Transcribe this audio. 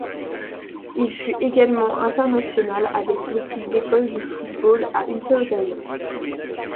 Il fut également international avec l'équipe d'Écosse de football à une seule occasion.